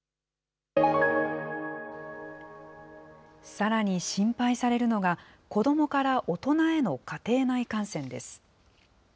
さらに心配されるのが、子どもから大人への家庭内感染です。